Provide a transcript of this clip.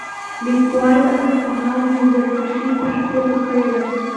لیکوال د اصفهان منظرکشي په ښه توګه کړې ده.